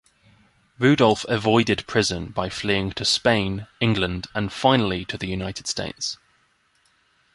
Rudolf avoided prison by fleeing to Spain, England, and finally to the United States.